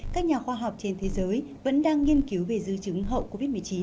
các nhà khoa học trên thế giới vẫn đang nghiên cứu về dư chứng hậu covid một mươi chín